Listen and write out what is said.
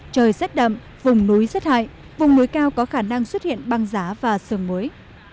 trời rét đậm vùng núi rét hại vùng núi cao có khả năng xuất hiện băng giá và sương muối